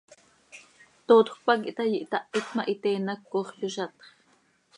Tootjöc pac ihtaai, ihtahit ma, hiteen án hac coox yozatx.